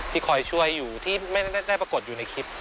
คอยช่วยอยู่ที่ไม่ได้ปรากฏอยู่ในคลิป